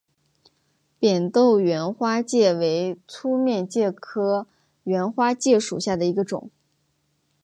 扁豆缘花介为粗面介科缘花介属下的一个种。